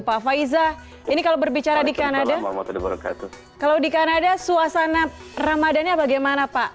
pak faiza ini kalau berbicara di kanada kalau di kanada suasana ramadannya bagaimana pak